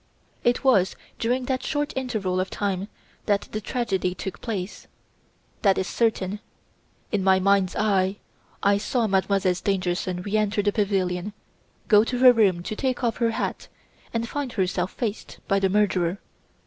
"It was during that short interval of time that the tragedy took place. That is certain. In my mind's eye I saw Mademoiselle Stangerson re enter the pavilion, go to her room to take off her hat, and find herself faced by the murderer.